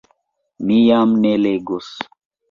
Mi jam ne legos,...